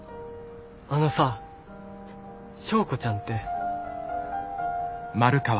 あのさ昭子ちゃんて。